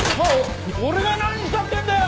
俺が何したっていうんだよ！？